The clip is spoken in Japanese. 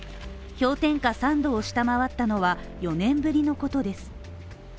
氷点下３度を下回ったのは４年ぶりのことです。